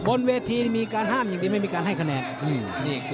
บนเวทีมีการห้ามอย่างดีไม่มีการให้คะแนน